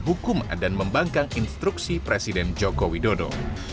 hukum dan membangkang instruksi presiden jokowi dodo